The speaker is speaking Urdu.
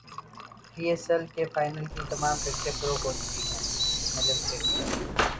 پی ایس ایل کے فائنل کی تمام ٹکٹیں فروخت ہوچکی ہیں نجم سیٹھی